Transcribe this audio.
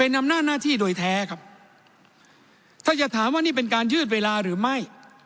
อำนาจหน้าที่โดยแท้ครับถ้าจะถามว่านี่เป็นการยืดเวลาหรือไม่